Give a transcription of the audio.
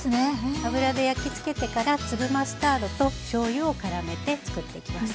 油で焼き付けてから粒マスタードとしょうゆをからめて作っていきます。